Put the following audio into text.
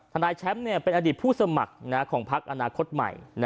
นายแชมป์เป็นอดีตผู้สมัครของพักอนาคตใหม่